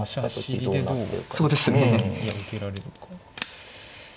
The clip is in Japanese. いや受けられるか。